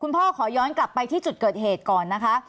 พ่อขอย้อนกลับไปที่จุดเกิดเหตุก่อนนะคะ